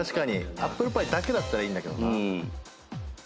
アップルパイだけならいいんだけどな。